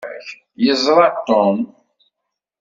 Iẓra Tom.